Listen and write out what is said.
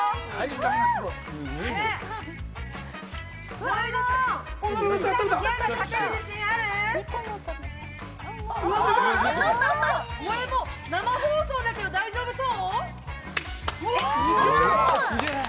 ゴエモン、生放送だけど大丈夫そう。